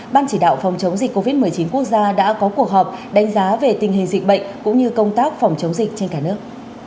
ban chỉ đạo phòng chống dịch covid một mươi chín quốc gia đã có cuộc họp đánh giá về tình hình dịch bệnh cũng như công tác phòng chống dịch trên cả nước